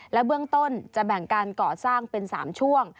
และเบื้องต้นจะแบ่งการก่อสร้างเป็น๓ช่วง